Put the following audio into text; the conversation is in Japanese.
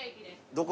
どこ？